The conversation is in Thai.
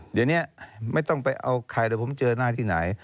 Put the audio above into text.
เดี๋ยวนี้ไม่ต้องไปเอาใครเดี๋ยวผมเจอหน้าที่ไหน